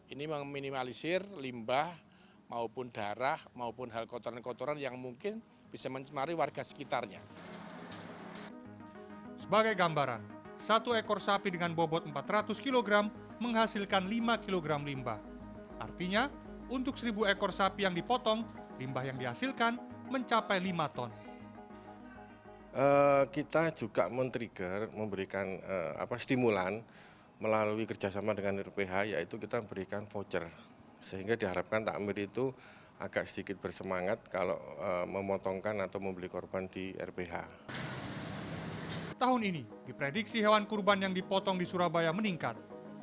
ini meminimalisir limbah maupun darah maupun hal kotoran kotoran yang mungkin bisa mencerminkan keadaan masyarakat